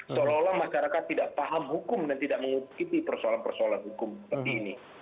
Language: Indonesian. seolah olah masyarakat tidak paham hukum dan tidak mengikuti persoalan persoalan hukum seperti ini